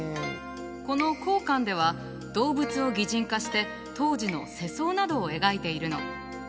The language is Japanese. この甲巻では動物を擬人化して当時の世相などを描いているの。